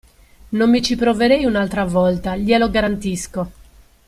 Non mi ci proverei un'altra volta, glielo garantisco!